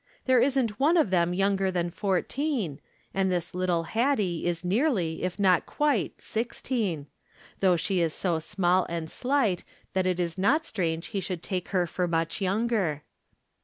There isn't one of them younger than fourteen, and this little Hattie is nearly, if not quite, six teen ; though she is so small and slight that it is not strange he should take her for much younger.